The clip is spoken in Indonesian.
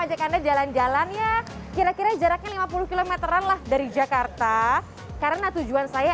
ajak anda jalan jalan ya kira kira jaraknya lima puluh km an lah dari jakarta karena tujuan saya